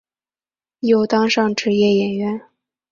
又当上职业演员。